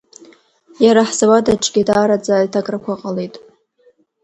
Иара ҳзауад аҿгьы даараӡа аиҭакрақәа ҟалеит.